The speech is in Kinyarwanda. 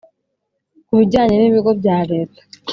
Ku bijyanye n ibigo bya Leta